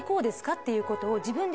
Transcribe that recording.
っていうことを。